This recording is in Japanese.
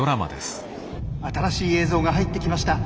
新しい映像が入ってきました。